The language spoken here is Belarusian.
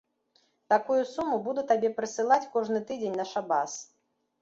Такую суму буду табе прысылаць кожны тыдзень на шабас.